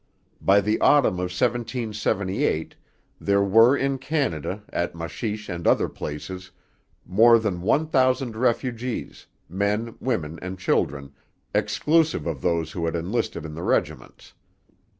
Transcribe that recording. By the autumn of 1778 there were in Canada, at Machiche and other places, more than one thousand refugees, men, women, and children, exclusive of those who had enlisted in the regiments.